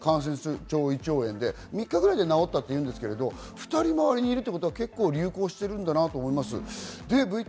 調べてみたら、感染性胃腸炎で３日ぐらいで治ったっていうんですけれど、２人周りにいるということは流行してるんだなと思います。